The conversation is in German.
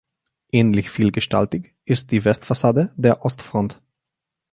Ähnlich vielgestaltig ist die Westfassade der Ostfront.